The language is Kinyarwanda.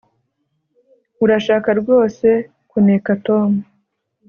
Urashaka rwose kuneka Tom